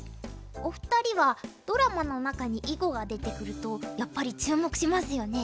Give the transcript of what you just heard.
お二人はドラマの中に囲碁が出てくるとやっぱり注目しますよね？